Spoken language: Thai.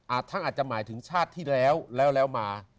อาจจะหมายถึงชาติที่แล้วแล้วแล้วมา